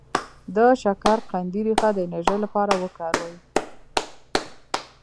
د شکرقندي ریښه د انرژی لپاره وکاروئ